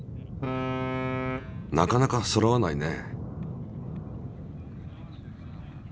なかなかそろわないね。